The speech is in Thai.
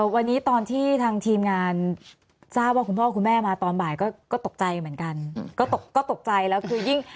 วันนี้ตอนที่ทางทีมงานทราบว่าคุณพ่อคุณแม่มาตอนบ่ายก็ตกใจเหมือนกัน